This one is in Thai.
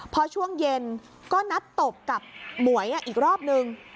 พอช่วงเย็นก็นัดตบกับหมวยอีกรอบนึง